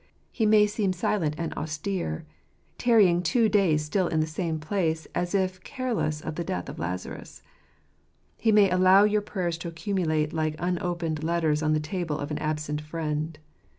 He may seem silent and austere, tarrying two days still in the same place, as if careless of the dying Lazarus. He may allow your prayers to accumulate like unopened letters on the table of an absent friend.